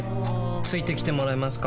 付いてきてもらえますか？